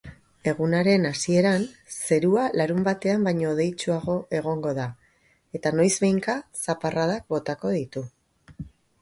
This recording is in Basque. Egunaren hasieran zerua larunbatean baino hodeitsuago egongo da eta noizbehinka zaparradak botako ditu.